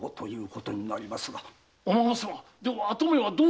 お孫様では跡目は？